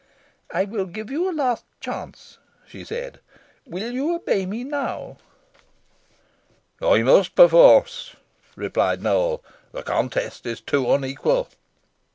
"I will give you a last chance," she said. "Will you obey me now?" "I must, perforce," replied Nowell: "the contest is too unequal."